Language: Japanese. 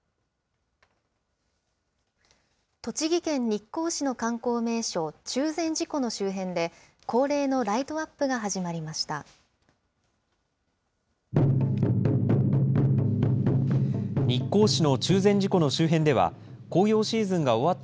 栃木県日光市の観光名所、中禅寺湖の周辺で、恒例のライトアップが始まりました。